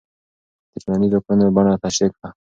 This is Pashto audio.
د ټولنیزو کړنو بڼه تشریح کړه.